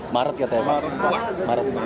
maret kata dia